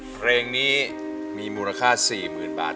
เพลงนี้มีมูลค่า๔๐๐๐บาท